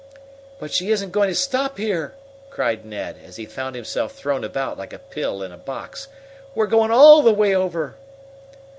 "But she isn't going to stop here!" cried Ned, as he found himself thrown about like a pill in a box. "We're going all the way over!"